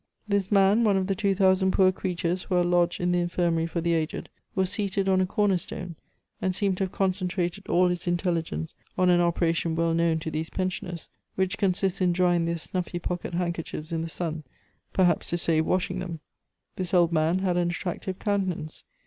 This man, one of the two thousand poor creatures who are lodged in the infirmary for the aged, was seated on a corner stone, and seemed to have concentrated all his intelligence on an operation well known to these pensioners, which consists in drying their snuffy pocket handkerchiefs in the sun, perhaps to save washing them. This old man had an attractive countenance.